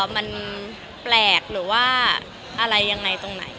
มันแปลกหรือว่าอะไรยังไงตรงไหน